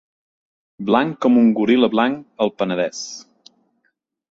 Blanc com un goril·la blanc al Penedès.